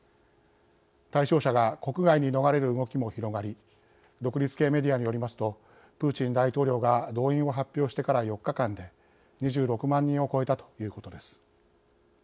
対象者が国外に逃れる動きも広がり独立系メディアによりますとプーチン大統領が動員を発表してから４日間で２６万人を超えたということです。